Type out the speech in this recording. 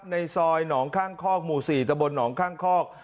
ในซอยหนองข้างคอกหมู่๔ตะบนหนองข้างคอก